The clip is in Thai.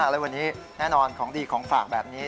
และวันนี้แน่นอนของดีของฝากแบบนี้